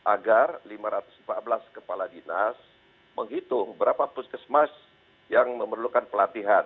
agar lima ratus empat belas kepala dinas menghitung berapa puskesmas yang memerlukan pelatihan